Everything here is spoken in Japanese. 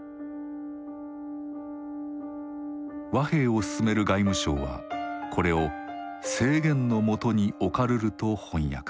和平を進める外務省はこれを「制限の下に置かるる」と翻訳。